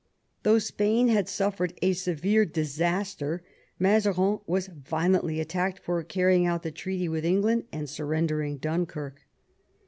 Though Spain had suffered a severe disaster, Mazarin was violently attacked for carrying out the treaty with England and surrendering Dunkirk.